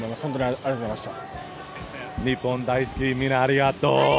ありがとうございます！